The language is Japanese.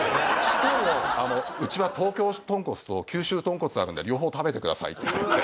しかもあのうちは東京豚骨と九州豚骨あるんで両方食べてくださいって言われて。